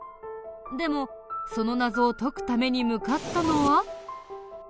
でもその謎を解くために向かったのは。